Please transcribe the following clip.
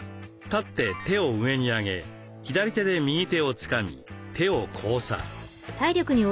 立って手を上に上げ左手で右手をつかみ手を交差。